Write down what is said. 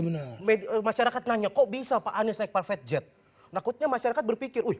benar masyarakat nanya kok bisa pak anies naik private jet takutnya masyarakat berpikir udah